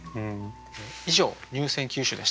以上入選九首でした。